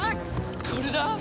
これだ！